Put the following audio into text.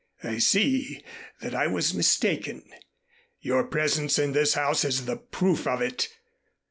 I see that I was mistaken. Your presence in this house is the proof of it.